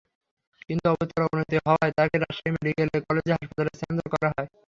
কিন্তু অবস্থার অবনতি হওয়ায় তাঁকে রাজশাহী মেডিকেল কলেজ হাসপাতালে স্থানান্তর করা হয়।